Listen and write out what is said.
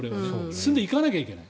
進んでいかなきゃいけない。